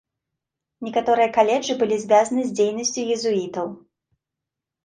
Некаторыя каледжы былі звязаны з дзейнасцю езуітаў.